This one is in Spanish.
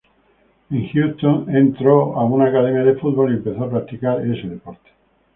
En Houston, entró a una academia de fútbol, y empezó a practicar este deporte.